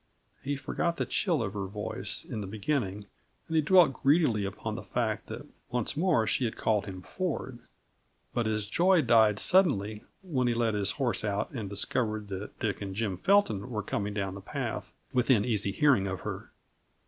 He forgot the chill of her voice in the beginning, and he dwelt greedily upon the fact that once more she had called him Ford. But his joy died suddenly when he led his horse out and discovered that Dick and Jim Felton were coming down the path, within easy hearing of her.